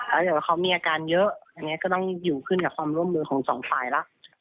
ถ้าเกิดว่าเขามีอาการเยอะอย่างนี้ก็ต้องอยู่ขึ้นกับความร่วมมือของสองฝ่ายแล้ว